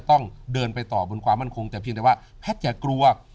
ต้องเดินไปต่อบนความมั่นคงแต่เพียงแต่ว่าแพทย์อย่ากลัว